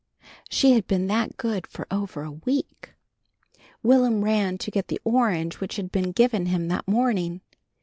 She had been that good for over a week. Will'm ran to get the orange which had been given him that morning.